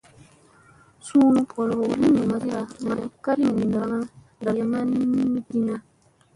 Suuna boloowo lin min masira, may ka li mindi ɗarayasinadi.